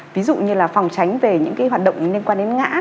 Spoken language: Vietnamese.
ví dụ như là phòng tránh về những cái hoạt động liên quan đến ngã